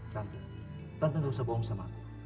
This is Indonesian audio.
tante gak usah bohong sama aku